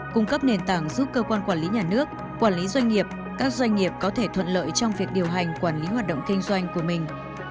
cung cấp nền tảng giúp cơ quan quản lý nhà nước quản lý doanh nghiệp các doanh nghiệp có thể thuận lợi trong việc điều hành quản lý hoạt động kinh doanh của mình